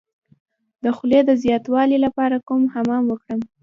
د خولې د زیاتوالي لپاره کوم حمام وکړم؟